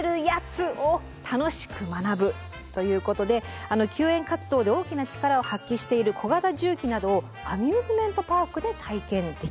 ということで救援活動で大きな力を発揮している小型重機などをアミューズメントパークで体験できると。